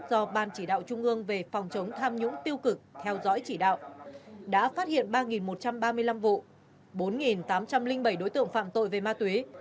do ban chỉ đạo trung ương về phòng chống tham nhũng tiêu cực theo dõi chỉ đạo đã phát hiện ba một trăm ba mươi năm vụ bốn tám trăm linh bảy đối tượng phạm tội về ma túy